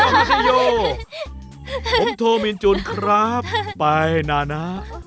ขันต่อมาสิโยผมโทมินจุนครับไปนานะ